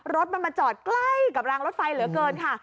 รถมันมาจอดใกล้กับรางรถไฟเหลือเกินค่ะ